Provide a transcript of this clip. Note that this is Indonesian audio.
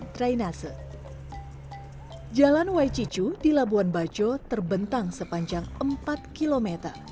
jalan wajicu di labuan bajo terbentang sepanjang empat km